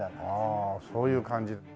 ああそういう感じ。